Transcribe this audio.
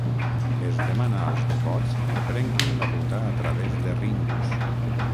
Es demana als devots que prenguin la ruta a través de Ringus.